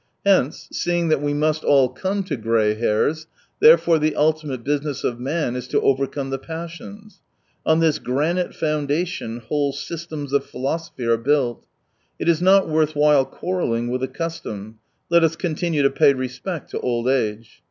Hence, seeing that we must all come to grey hairs, therefore the ultimate business of man is to overcome the passions. ... On this granite foundation whole systems of philosophy are built. It is not worth while quarrelling with a custom — let us continue to pay respect to old age.